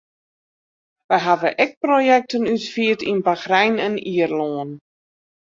Wy hawwe ek projekten útfierd yn Bachrein en Ierlân.